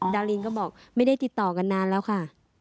ดารินก็บอกไม่ได้ติดต่อกันนานแล้วค่ะ